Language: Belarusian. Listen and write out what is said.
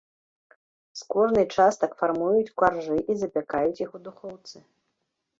З кожнай частак фармуюць каржы і запякаюць іх у духоўцы.